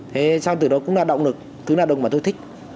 thế sau đó cũng là động lực thứ nào động lực mà tôi thích